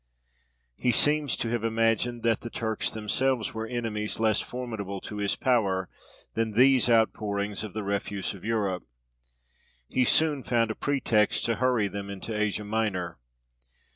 He seems to have imagined that the Turks themselves were enemies less formidable to his power than these outpourings of the refuse of Europe: he soon found a pretext to hurry them into Asia Minor.